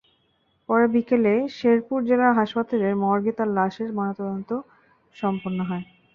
পরে বিকেলে শেরপুর জেলা হাসপাতালের মর্গে তাঁর লাশের ময়নাতদন্ত সম্পন্ন হয়।